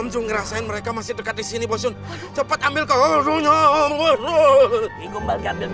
boson ngerasain mereka masih dekat di sini boson cepat ambil kau